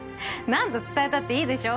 何度伝えたっていいでしょ